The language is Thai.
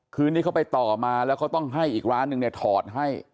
คือนี่เขาไปต่อมาแล้วก็ต้องให้อีกร้านหนึ่งถอดให้